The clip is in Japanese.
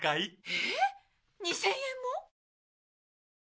ええっ２０００円も？